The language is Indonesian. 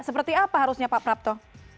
seperti apa harusnya pak prapto